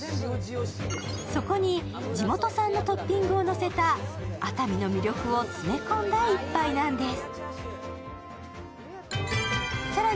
そこに地元産のトッピングをのせた熱海の魅力を詰め込んだ１杯なんです。